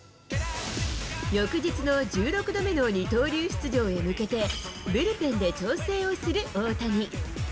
翌日の１６度目の二刀流出場へ向けて、ブルペンで調整をする大谷。